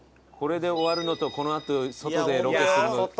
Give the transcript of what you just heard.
これで終わるのとこのあと外でロケするの。